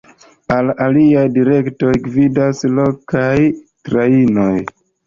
Al aliaj direktoj gvidas lokaj trajnoj.